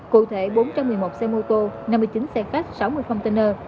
cụ thể bốn trăm một mươi một xe mô tô năm mươi chín xe khách sáu mươi container